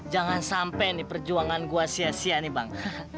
jangan sampai nih perjuangan gue sia sia nih bang